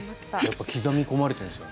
刻み込まれてるんですよ。